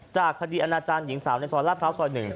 จากคดีอาณาจารย์หญิงสาวในซอยลาดพร้าวซอย๑